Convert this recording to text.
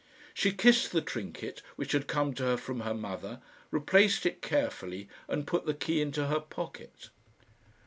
She kissed the trinket, which had come to her from her mother, replaced it carefully, and put the key into her pocket.